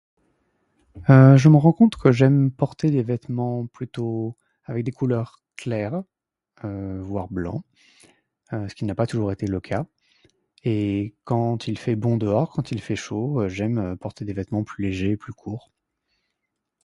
Je me rends compte que j'aime porter des vêtements, plutôt avec des couleurs claires voire blanc, ce qui n'a pas toujours été le cas. Et quand il fait bon dehors, quand il fait chaud, j'aime porter des vêtement plus légers, plus courts.